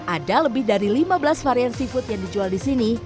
ada lebih dari lima belas varian seafood yang dijual di sini